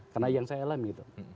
karena yang saya alami